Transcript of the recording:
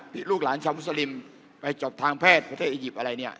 ลูกหลานชาวมุสลิมไปจบทางแพทย์ประเทศอียิปต์อะไรเนี่ย